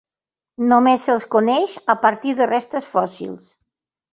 Només se'ls coneix a partir de restes fòssils.